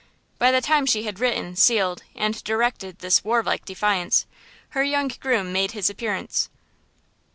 By the time she had written, sealed and directed this war like defiance, her young groom made his appearance.